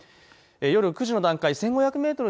夜９時の段階１５００メートル